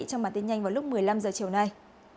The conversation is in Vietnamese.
trong bản tin nhanh vào lúc một mươi năm h chiều nay